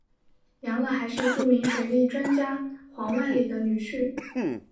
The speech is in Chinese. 杨乐还是著名水利专家黄万里的女婿。